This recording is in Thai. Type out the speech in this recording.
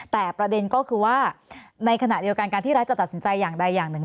แต่ประเด็นก็คือว่าในขณะเดียวกันการที่รัฐจะตัดสินใจอย่างใดอย่างหนึ่ง